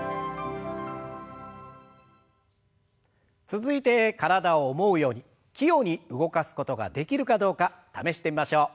続いて体を思うように器用に動かすことができるかどうか試してみましょう。